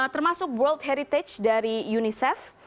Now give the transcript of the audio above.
termasuk world heritage dari unicef